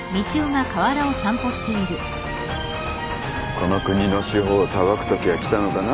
この国の司法を裁くときがきたのかな。